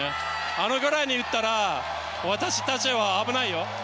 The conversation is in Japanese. あのぐらい打ったら私たちは危ないよ！